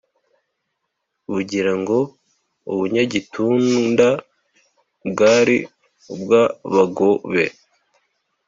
bugira ngo: u bunyagitunda bwari ubw’abagobe,